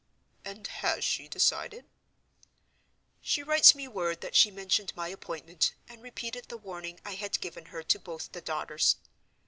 "And has she decided?" "She writes me word that she mentioned my appointment, and repeated the warning I had given her to both the daughters.